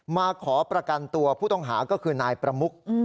มาขอประกันตัวผู้ต้องหาก็คือนายประมุก